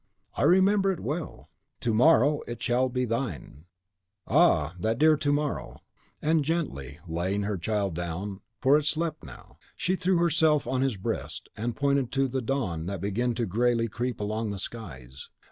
"I remember it well." "To morrow it shall be thine!" "Ah, that dear to morrow!" And, gently laying down her child, for it slept now, she threw herself on his breast, and pointed to the dawn that began greyly to creep along the skies.